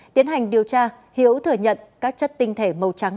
tiến hành điều tra hiếu thừa nhận các chất tinh thể màu trắng